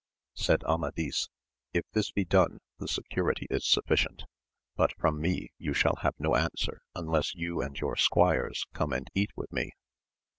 Said Amadis, If this be done the security is sufficient ; but from me you shall have no answer unless you and your squires come and eat with me.